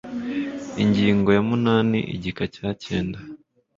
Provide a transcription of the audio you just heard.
ingingo yamunani igika cyacyenda